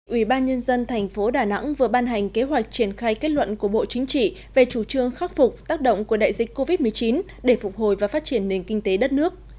ủy ban nhân dân thành phố đà nẵng vừa ban hành kế hoạch triển khai kết luận của bộ chính trị về chủ trương khắc phục tác động của đại dịch covid một mươi chín để phục hồi và phát triển nền kinh tế đất nước